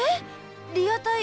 リアタイ